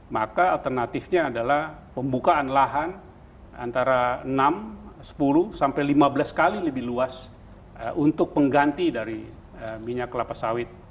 maka alternatifnya adalah pembukaan lahan antara enam sepuluh sampai lima belas kali lebih luas untuk pengganti dari minyak kelapa sawit